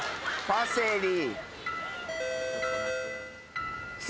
パセリ。